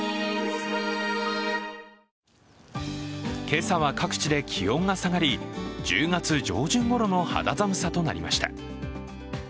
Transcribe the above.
今朝は各地で気温が下がり１０月上旬ごろの肌寒さとなりました。